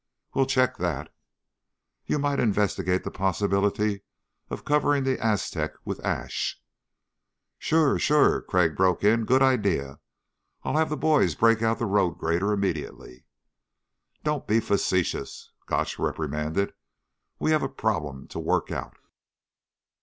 "We'll check that." "You might investigate the possibility of covering the Aztec with ash." "Sure ... sure," Crag broke in. "Good idea. I'll have the boys break out the road grader immediately." "Don't be facetious," Gotch reprimanded. "We have a problem to work out."